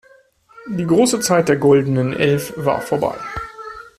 Die große Zeit der goldenen Elf war vorbei.